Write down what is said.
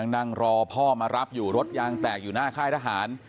นั่งรอพ่อมารับอยู่รถยางแตกอยู่หน้าค่ายทหาร